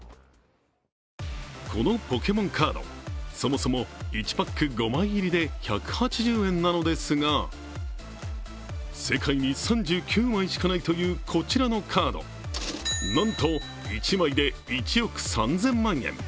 このポケモンカード、そもそも１パック５枚入りで１８０円なのですが、世界に３９枚しかないというこちらのカードなんと１枚で１億３０００万円。